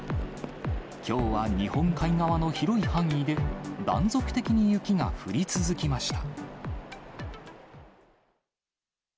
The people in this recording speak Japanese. きょうは日本海側の広い範囲で断続的に雪が降り続きました。